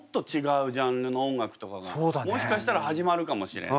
もしかしたら始まるかもしれない。